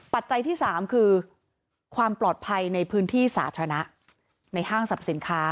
ปัจจัยที่๓คือความปลอดภัยในพื้นที่สาธารณะในห้างสรรพสินค้า